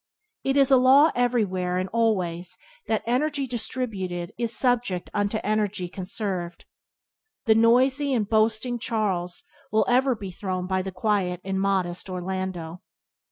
It is a law everywhere and always that energy distributed is subject unto energy conserved. The noisy and boasting Charles will ever be thrown by the quiet and modest Orlando.